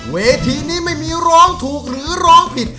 เวทีนี้ไม่มีร้องถูกหรือร้องผิด